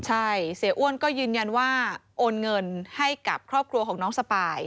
ใช่เสียอ้วนก็ยืนยันว่าโอนเงินให้กับครอบครัวของน้องสปาย